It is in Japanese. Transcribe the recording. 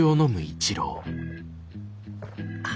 あ。